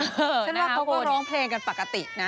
เออนะครับคุณเช่นแล้วเขาก็ร้องเพลงกันปกตินะ